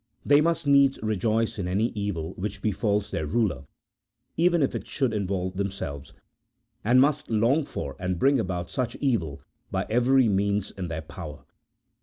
They must needs rejoice in any evil which befalls their ruler, even if it should in volve themselves ; and must long for and bring about such evil by every means in their power.